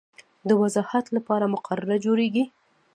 د وضاحت لپاره مقرره جوړیږي.